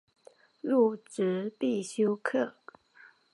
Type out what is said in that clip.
入职必修课